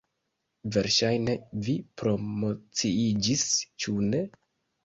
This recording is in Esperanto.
Verŝajne, vi promociiĝis, ĉu ne?